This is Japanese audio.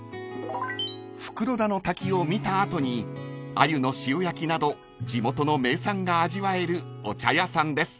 ［袋田の滝を見た後に鮎の塩焼きなど地元の名産が味わえるお茶屋さんです］